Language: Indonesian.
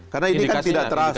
karena ini kan tidak terasa